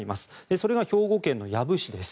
それが兵庫県の養父市です。